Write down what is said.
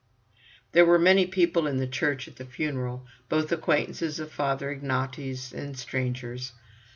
There were many people in the church at the funeral, both acquaintances of Father Ignaty's and strangers.